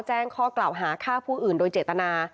แจ้งข้อกล่าวหาฆ่าผู้อื่นโดยเจตนา